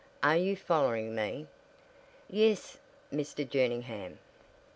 Are you following me?" "Yes, Mr. Jerningham."